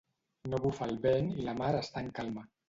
No bufa el vent i la mar està en calma.